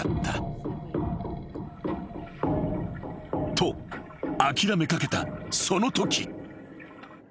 ［と諦めかけたそのとき］